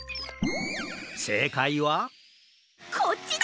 せいかいはこっちだ！